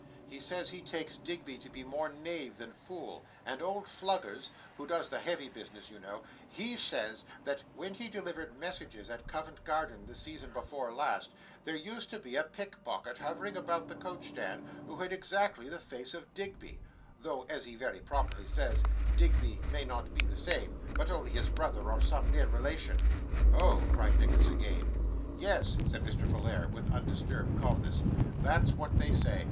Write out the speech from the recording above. He says he takes Digby to be more knave than fool; and old Fluggers, who does the heavy business you know, HE says that when he delivered messages at Covent Garden the season before last, there used to be a pickpocket hovering about the coach stand who had exactly the face of Digby; though, as he very properly says, Digby may not be the same, but only his brother, or some near relation.' 'Oh!' cried Nicholas again. 'Yes,' said Mr. Folair, with undisturbed calmness, 'that's what they say.